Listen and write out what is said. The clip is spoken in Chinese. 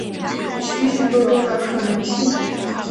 许许多多的可能性